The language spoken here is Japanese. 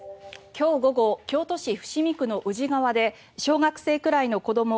今日午後京都市伏見区の宇治川で小学生くらいの子ども